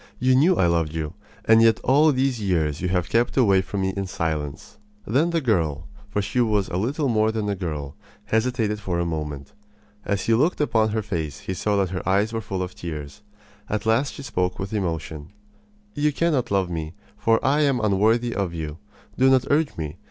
You knew I loved you, and yet all these years you have kept away from me in silence." Then the girl for she was little more than a girl hesitated for a moment. As he looked upon her face he saw that her eyes were full of tears. At last she spoke with emotion: "You cannot love me, for I am unworthy of you. Do not urge me.